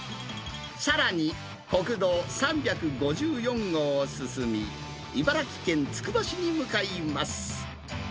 さらに、国道３５４号を進み、茨城県つくば市に向かいます。